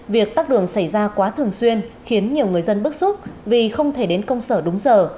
việc tắt đường xảy ra quá thường xuyên khiến nhiều người dân bức xúc vì không thể đến công sở đúng giờ